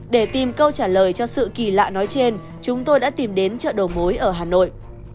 để tìm câu trả lời cho sự kỳ lạ nói trên chúng tôi đã tìm đến chợ đầu mối ở hà nội